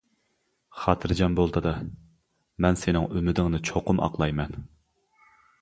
خاتىرجەم بول دادا، مەن سېنىڭ ئۈمىدىڭنى چوقۇم ئاقلايمەن!